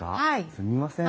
すみません。